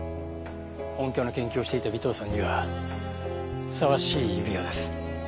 音響の研究をしていた尾藤さんにはふさわしい指輪です。